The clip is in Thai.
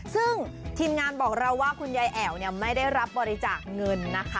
ซึ่งทีมงานบอกเราว่าคุณยายแอ๋วไม่ได้รับบริจาคเงินนะคะ